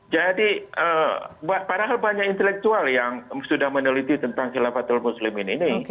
jadi padahal banyak intelektual yang sudah meneliti tentang kilafatul muslim ini